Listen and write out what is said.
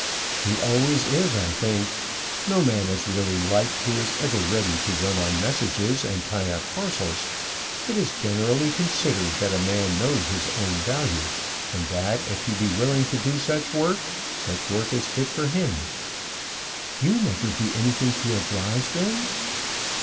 "He always is, I think. No man is really liked who is ever ready to run on messages and tie up parcels. It is generally considered that a man knows his own value, and that, if he be willing to do such work, such work is fit for him." "You never do anything to oblige, then?"